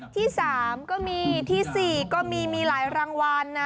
ที่๓ก็มีที่๔ก็มีมีหลายรางวัลนะ